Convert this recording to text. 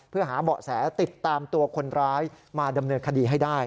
เพื่อหาเบาะแสติดตามตัวคนร้ายมาดำเนินคดีให้ได้